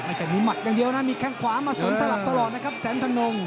ไม่ใช่มีหมัดอย่างเดียวนะมีแข้งขวามาเสริมสลับตลอดนะครับแสนธนง